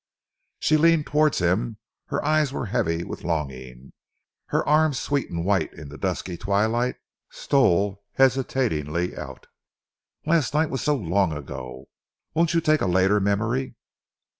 She leaned towards him. Her eyes were heavy with longing. Her arms, sweet and white in the dusky twilight, stole hesitatingly out. "Last night was so long ago. Won't you take a later memory?"